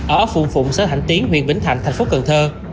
ở phùng phụng sách hành tiến huyện vĩnh thạnh thành phố cần thơ